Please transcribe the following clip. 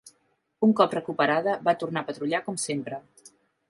Un cop recuperada, va tornar a patrullar com sempre.